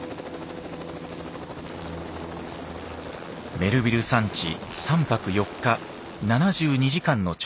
メルヴィル山地３泊４日７２時間の調査。